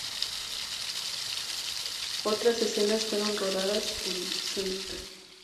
Otras escenas fueron rodadas en St.